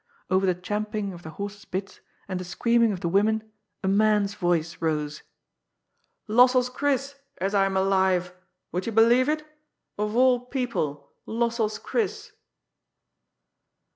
Over the champing of the horses' bits and the screaming of the women a man's voice rose. "Lossell's Chris, as I'm alive! Would you believe it? Of all people, Lossell's Chris